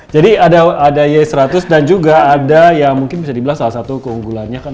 jadi ada y seratus dan juga ada yang mungkin bisa dibilas salah satu keunggulannya kan